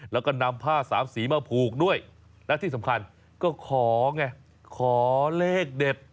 แล้วก็นำผ้าสามสีมาผูกด้วยและที่สำคัญก็ขอไงขอเลขเด็ด